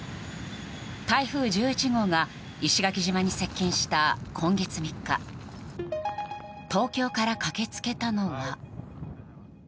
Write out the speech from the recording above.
台風１１号が石垣島に接近した今月３日東京から駆けつけたのは。